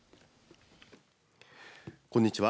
こんにちは。